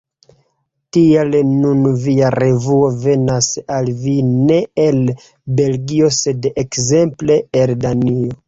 Tial nun via revuo venas al vi ne el Belgio sed ekzemple el Danio.